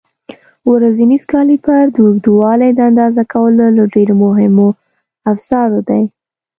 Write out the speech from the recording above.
ورنیز کالیپر د اوږدوالي د اندازه کولو له ډېرو مهمو افزارو دی.